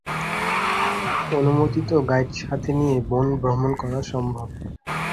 অনুমোদিত গাইড সাথে নিয়ে বন ভ্রমণ করা সম্ভব।